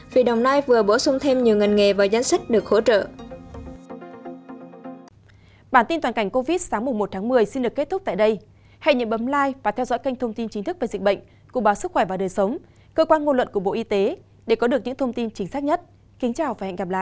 vì đồng nai vừa bổ sung thêm nhiều ngân nghề và danh sách được hỗ trợ